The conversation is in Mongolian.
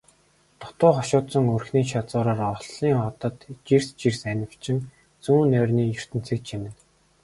Дутуу хошуулдсан өрхний шазуураар холын одод жирс жирс анивчин зүүд нойрны ертөнцийг чимнэ.